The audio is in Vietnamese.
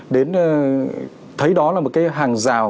đến thấy đó là một cái hàng rào